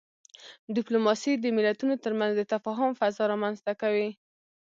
ډيپلوماسي د ملتونو ترمنځ د تفاهم فضا رامنځته کوي.